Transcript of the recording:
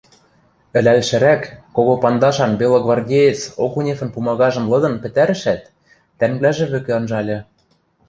Ӹлӓлшӹрӓк, кого пандашан белогвардеец Окуневӹн пумагажым лыдын пӹтӓрӹшӓт, тӓнгвлӓжӹ вӹкӹ анжальы.